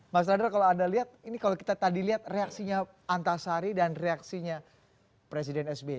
mas radar kalau anda lihat ini kalau kita tadi lihat reaksinya antasari dan reaksinya presiden sbi